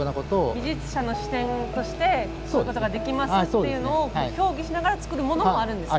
技術者の視点としてこういうことができますよっていうのを協議しながら作るものもあるんですね。